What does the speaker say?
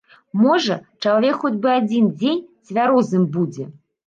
Можа, чалавек хоць бы адзін дзень цвярозым будзе.